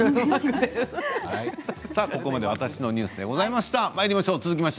ここまで「わたしのニュース」でございました。